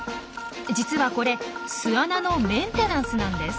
実はこれ巣穴のメンテナンスなんです。